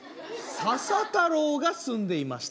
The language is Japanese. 「佐々太郎が住んでいました」。